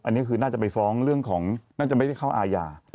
อันนี้คือน่าจะไปฟ้องเรื่องของน่าจะไม่ได้เข้าอาญา